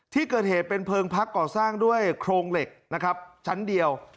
ที่เกิดเหตุเป็นเพลิงพักก่อสร้างด้วยโครงเหล็กนะครับชั้นเดียว